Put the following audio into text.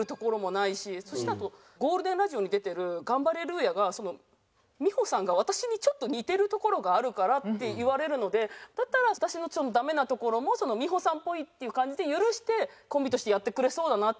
そしてあと『ゴールデンラジオ！』に出てるガンバレルーヤが美穂さんが私にちょっと似てるところがあるからって言われるのでだったら私のダメなところも美穂さんっぽいっていう感じで許してコンビとしてやってくれそうだなっていうのもあって。